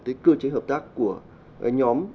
tới cơ chế hợp tác của nhóm